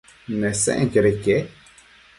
Nesenquioda ique?